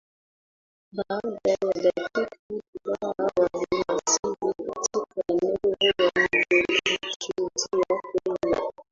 Baada ya dakika kadhaa waliwasili katika eneo walilokusudia kwenda